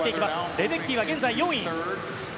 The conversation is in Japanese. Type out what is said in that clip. レデッキーは現在４位。